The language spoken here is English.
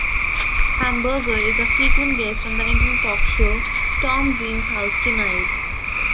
Hamburger is a frequent guest on the internet talk show "Tom Green's House Tonight".